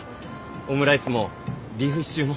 オムライスもビーフシチューも。